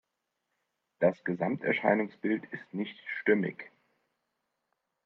Das Gesamterscheinungsbild ist nicht stimmig.